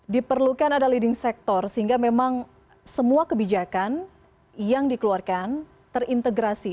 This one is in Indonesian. diperlukan ada leading sector sehingga memang semua kebijakan yang dikeluarkan terintegrasi